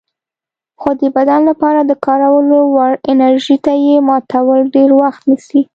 خو د بدن لپاره د کارولو وړ انرژي ته یې ماتول ډېر وخت نیسي.